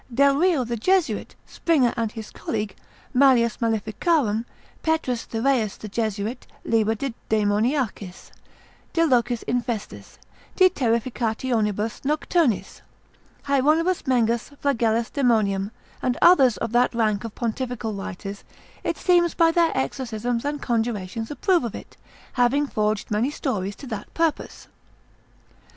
Delrio the Jesuit, Tom. 3. lib. 6. Springer and his colleague, mall. malef. Pet. Thyreus the Jesuit, lib. de daemoniacis, de locis infestis, de Terrificationibus nocturnis, Hieronymus Mengus Flagel. daem. and others of that rank of pontifical writers, it seems, by their exorcisms and conjurations approve of it, having forged many stories to that purpose.